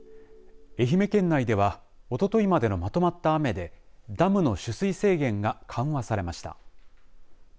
愛媛県内ではおとといまでのまとまった雨でダムの取水制限が緩和されました。